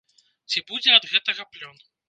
Ці будзе ад гэтага плён?